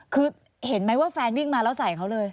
คือเห็นไหมว่าแฟนวิ่งมาแล้วใส่เขาเลย